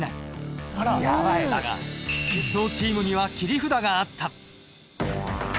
だが輸送チームには切り札があった。